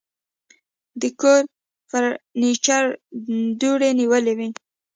د کور فرنيچر دوړې نیولې وې.